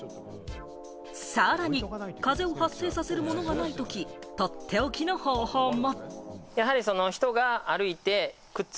さらに風を発生させるものがないとき、とっておきの方法も。